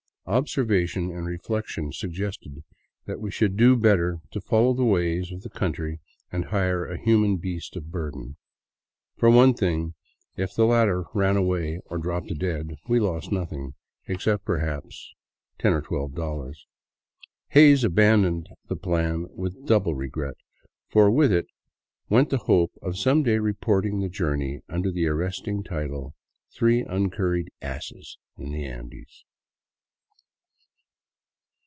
Observation and ■eflection suggested that we should do better to follow the ways of [the country and hire a human beast of burden. For one thing, if the latter ran away or dropped dead we lost nothing, except perhaps our tempers; if the donkey came to a like end, we would be out ten or twelve dollars. Hays abandoned the plan with double regret, for with it went the hope of some day reporting the journey under the arresting title, *' Three Uncurried Asses in the Andes."